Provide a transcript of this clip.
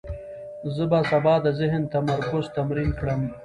زه به سبا د ذهن تمرکز تمرین کړم.